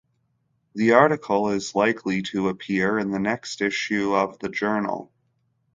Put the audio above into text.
The article is likely to appear in the next issue of the journal.